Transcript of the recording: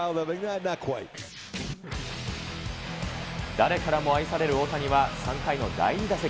誰からも愛される大谷は、３回の第２打席。